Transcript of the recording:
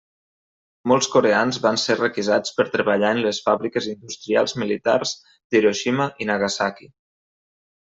Molts coreans van ser requisats per treballar en les fàbriques industrials militars d'Hiroshima i Nagasaki.